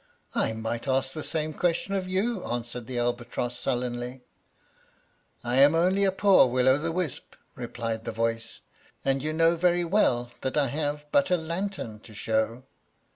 "I might ask the same question of you," answered the albatross, sullenly. "I'm only a poor Will o' the wisp," replied the voice, "and you know very well that I have but a lantern to show."